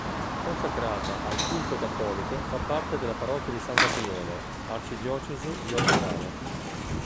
Consacrata al culto cattolico, fa parte della parrocchia di San Gabriele, arcidiocesi di Oristano.